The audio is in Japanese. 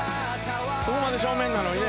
「ここまで正面なのにね」